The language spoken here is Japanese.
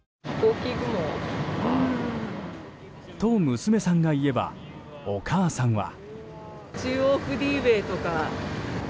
と、娘さんが言えばお母さんは。